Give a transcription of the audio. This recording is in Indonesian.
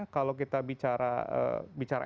kalau kita bicara